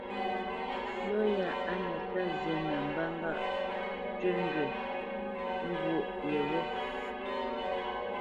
Yɔ̂ ya á nə́ ká zí nə mbə́ ŋgâʼ ntʉ́ ndwə̌ ngwo yegho.